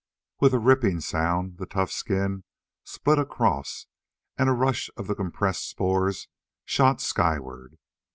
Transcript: With a ripping sound, the tough skin split across and a rush of the compressed spores shot skyward.